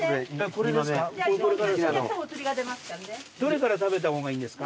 どれから食べた方がいいんですか？